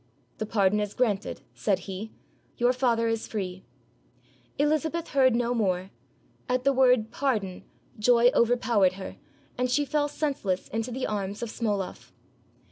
"The pardon is granted," said he; "your father is free," Elizabeth heard no more; at the word pardon, joy overpowered her, and she fell senseless into the arms of Smoloff.